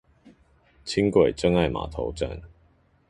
輕軌真愛碼頭站